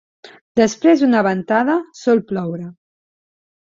Després d'una ventada sol ploure.